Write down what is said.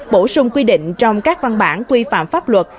bổ sung quy định trong các văn bản quy phạm pháp luật